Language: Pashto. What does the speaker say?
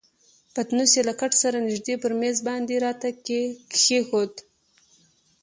پتنوس یې له کټ سره نژدې پر میز باندې راته کښېښود.